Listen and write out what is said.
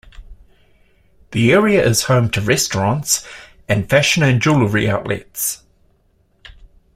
The area is home to restaurants and fashion and jewellery outlets.